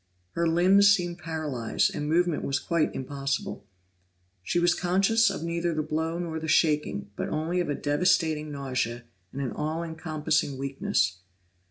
Her limbs seemed paralyzed, and movement was quite impossible. She was conscious of neither the blow nor the shaking, but only of a devastating nausea and an all encompassing weakness.